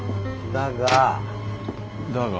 だが？